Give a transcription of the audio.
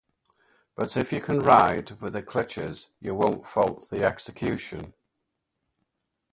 But if you can ride with the cliches, you won't fault the execution.